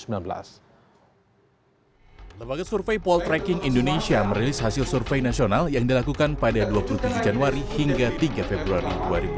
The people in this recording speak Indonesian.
lembaga survei poltreking indonesia merilis hasil survei nasional yang dilakukan pada dua puluh tujuh januari hingga tiga februari dua ribu dua puluh